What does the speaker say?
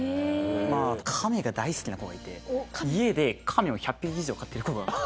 亀が大好きな子がいて家で亀を１００匹以上飼ってる子が。